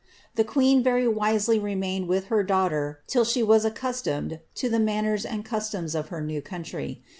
The queen very wisely remained with her daughter till she was accus tomed to the manners and customs of her new country.